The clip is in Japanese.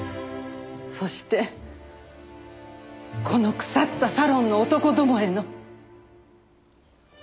そしてこの腐ったサロンの男どもへの。